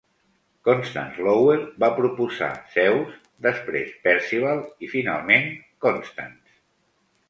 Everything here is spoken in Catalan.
Constance Lowell va proposar "Zeus", després "Percival" i finalment "Constance".